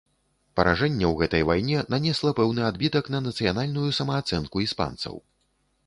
Паражэнне ў гэтай вайне нанесла пэўны адбітак на нацыянальную самаацэнку іспанцаў.